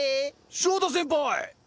翔太先輩？